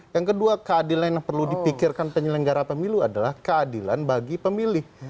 yang kedua keadilan yang perlu dipikirkan penyelenggara pemilu adalah keadilan bagi pemilih